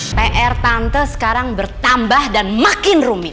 pr tante sekarang bertambah dan makin rumit